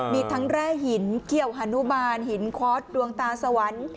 มีทั้งแร่หินเขี้ยวฮานุบาลหินคอร์สดวงตาสวรรค์